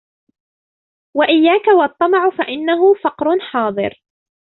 وَإِيَّاكَ وَالطَّمَعَ فَإِنَّهُ فَقْرٌ حَاضِرٌ